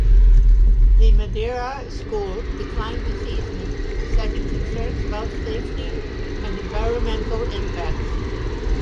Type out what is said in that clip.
The Madeira School declined this easement, citing concerns about safety and environmental impacts.